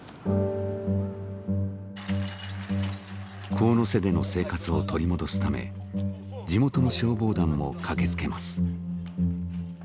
神瀬での生活を取り戻すため地元の消防団も駆けつけます。